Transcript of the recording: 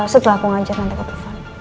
setelah aku ngajar nanti aku telfon